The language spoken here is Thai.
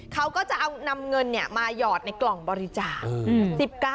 เขาก็จะเอานำเงินมาหยอดในกล่องบริจาค